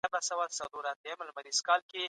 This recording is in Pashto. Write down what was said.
د غير مسلمانانو د معتقداتو درناوی سوی دی.